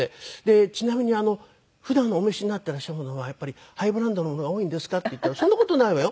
「ちなみに普段お召しになってらっしゃるものはやっぱりハイブランドのものが多いんですか？」って言ったら「そんな事ないわよ